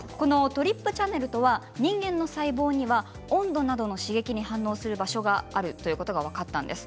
ＴＲＰチャネルとは人間の細胞には温度などの刺激に反応する場所があるということが分かったんです。